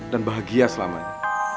dan bahagia selamanya